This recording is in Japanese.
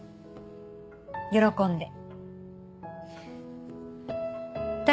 喜んで。